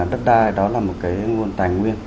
đất đai đó là một cái nguồn tài nguyên